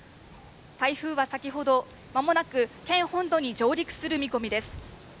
台風は先ほど、まもなく県本土に上陸する見込みです。